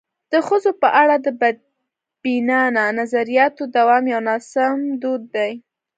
د ښځو په اړه د بدبینانه نظریاتو دوام یو ناسم دود دی.